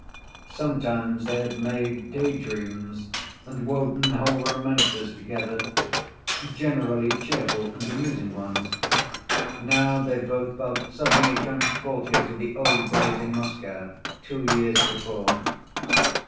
Sometimes they had made day‐dreams and woven whole romances together—generally cheerful and amusing ones. Now they both felt suddenly transported to the old days in Moscow, two years before.